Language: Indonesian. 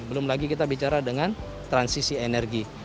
belum lagi kita bicara dengan transisi energi